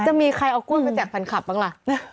จะมีใครเอากล้วยมาแจกแฟนคลับบ้างล่ะ